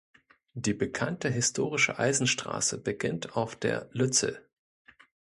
Die bekannte historische Eisenstraße beginnt auf der Lützel.